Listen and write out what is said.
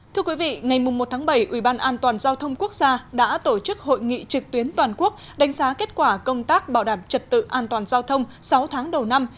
thưa quý vị ngày một tháng bảy ủy ban an toàn giao thông quốc gia đã tổ chức hội nghị trực tuyến toàn quốc đánh giá kết quả công tác bảo đảm trật tự an toàn giao thông sáu tháng đầu năm